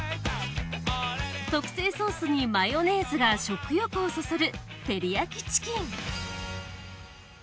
特製ソースにマヨネーズが食欲をそそるテリヤキチキン。